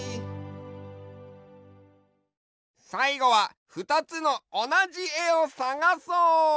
さいごはふたつのおなじえをさがそう！